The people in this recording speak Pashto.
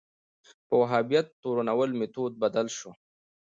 په وهابیت تورنول میتود بدل شو